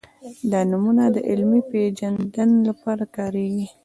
دا نومونه د علمي پېژند لپاره کارېږي.